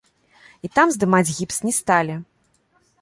І там здымаць гіпс не сталі.